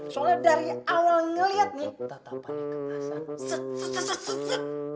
soalnya dari awal ngeliat nih tatapannya ke asan